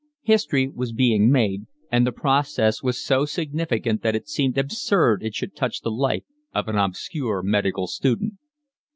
History was being made, and the process was so significant that it seemed absurd it should touch the life of an obscure medical student.